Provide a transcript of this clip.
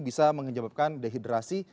bisa menyebabkan dehidrasi